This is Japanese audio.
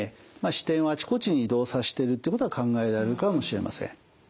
視点をあちこちに移動さしてるってことは考えられるかもしれません。